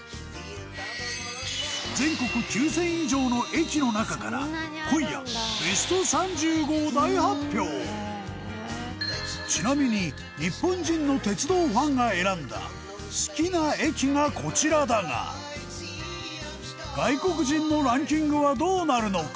全国９０００以上の駅の中から今夜、ベスト３５を大発表ちなみに日本人の鉄道ファンが選んだ好きな駅が、こちらだが外国人のランキングはどうなるのか？